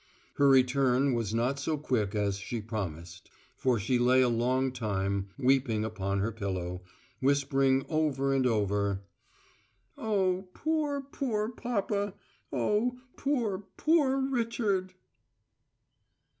Her return was not so quick as she promised, for she lay a long time weeping upon her pillow, whispering over and over: "Oh, poor, poor papa! Oh, poor, poor Richard!"